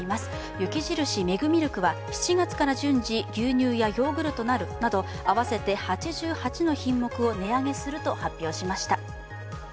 雪印メグミルクは７月から順次、牛乳やヨーグルトなど合わせて８８の品目を値上げすると発表しました。